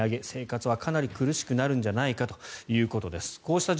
生活は苦しくなるんじゃないかということです。